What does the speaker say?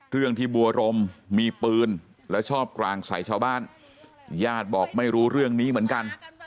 เรื่องที่บัวรมมีปืนและชอบกลางใส่ชาวบ้านญาติบอกไม่รู้เรื่องนี้เหมือนกัน